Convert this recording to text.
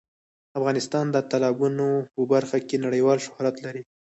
افغانستان د تالابونه په برخه کې نړیوال شهرت لري.